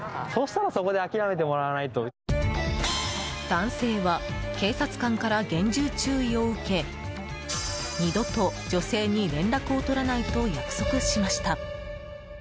男性は警察官から厳重注意を受け二度と女性に連絡を取らないと約束しました。